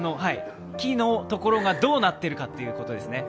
「き」のところがどうなってるかということです。